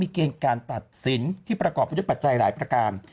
เกณฑ์การตัดสินที่ประกอบไปด้วยปัจจัยหลายประการ